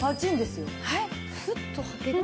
すっと履けて。